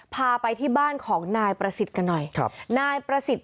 พาไปที่บ้านของนายประสิตหน่อยครับนายปราสิต